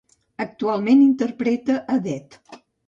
Actualment interpreta a Det.